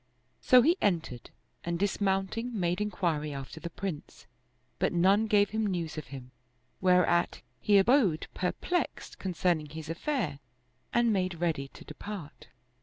So he entered, and dismounting, made inquiry after the Prince, but none gave him news of him ; whereat he abode perplexed concerning his affair and made ready to depart.